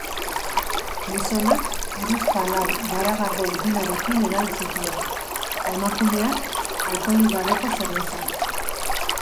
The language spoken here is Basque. Gizonak hiruzpalau garagardo ginarekin edan zituen, eta emakumeak alkoholarik gabeko zerbeza.